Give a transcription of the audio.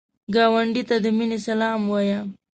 ګاونډي ته د مینې سلام وایه